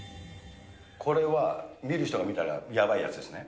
これは見る人が見たらやばいやつですね。